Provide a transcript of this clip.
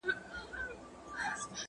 ایا ته د رابعه او فتح خان په اړه پوهیږې؟